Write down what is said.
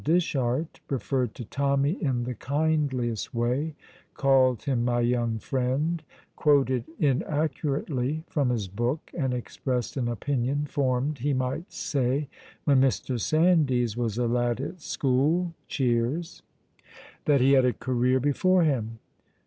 Dishart referred to Tommy in the kindliest way, called him "my young friend," quoted (inaccurately) from his book, and expressed an opinion, formed, he might say, when Mr. Sandys was a lad at school (cheers), that he had a career before him.